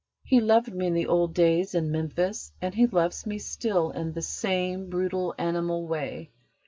He loved me in the old days in Memphis, and he loves me still in the same brutal, animal way.